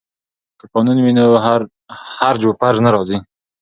که قانون وي نو هرج و مرج نه راځي.